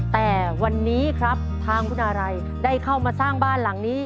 แต่วันนี้ครับทางคุณอะไรได้เข้ามาสร้างบ้านหลังนี้